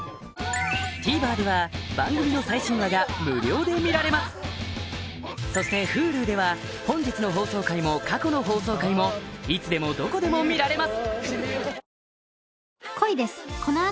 ＴＶｅｒでは番組の最新話が無料で見られますそしてＨｕｌｕでは本日の放送回も過去の放送回もいつでもどこでも見られます